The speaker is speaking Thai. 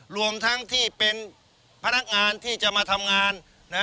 รวมทั้งที่เป็นพนักงานที่จะมาทำงาน